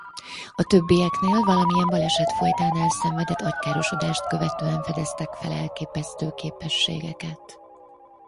A többieknél valamilyen baleset folytán elszenvedett agykárosodást követően fedeztek fel elképesztő képességeket.